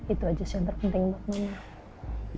itu aja sih yang terpenting buat mama